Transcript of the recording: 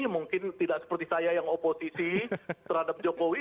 mungkin tidak seperti saya yang oposisi terhadap jokowi